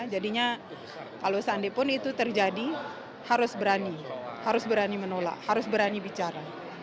jadinya kalau seandainya itu terjadi harus berani harus berani menolak harus berani bicara